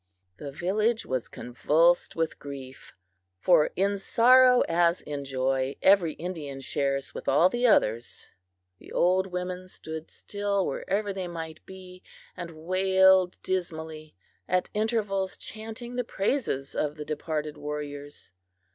The village was convulsed with grief; for in sorrow, as in joy, every Indian shares with all the others. The old women stood still, wherever they might be, and wailed dismally, at intervals chanting the praises of the departed warriors.